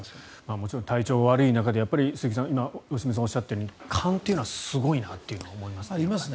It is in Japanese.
もちろん体調悪い中で良純さんがおっしゃったように勘というのはすごいなというのは思いますね。